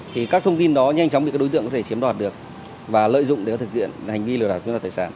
thì các thông tin đó nhanh chóng thì các đối tượng có thể chiếm đoạt được và lợi dụng để thực hiện hành vi lừa đạp như là tài sản